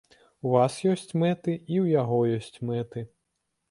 У вас ёсць мэты, і ў яго ёсць мэты.